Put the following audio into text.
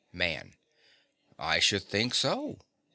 MAN. I should think so.